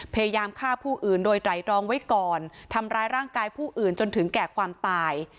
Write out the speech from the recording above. พยายามฆ่าผู้อื่นโดยไตรรองไว้ก่อนทำร้ายร่างกายผู้อื่นจนถึงแก่ความตาย